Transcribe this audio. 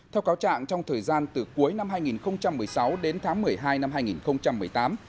theo cáo trạng trong thời gian từ cuối năm hai nghìn một mươi sáu đến tháng một mươi hai năm hai nghìn một mươi tám